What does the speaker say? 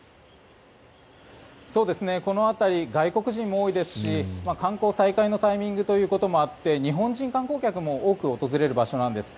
この辺り外国人も多いですし観光再開のタイミングということもあって日本人観光客も多く訪れる場所なんです。